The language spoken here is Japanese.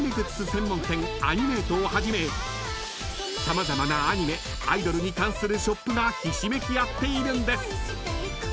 専門店アニメイトをはじめさまざまなアニメアイドルに関するショップがひしめき合っているんです］